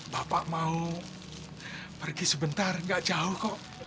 bapak mau pergi sebentar enggak jauh kok